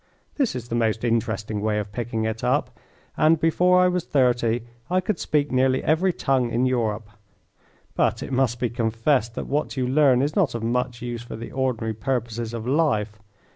This is the most interesting way of picking it up, and before I was thirty I could speak nearly every tongue in Europe; but it must be confessed that what you learn is not of much use for the ordinary purposes of life.